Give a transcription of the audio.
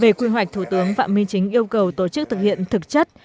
về quy hoạch thủ tướng phạm minh chính yêu cầu tổ chức thực hiện thực chất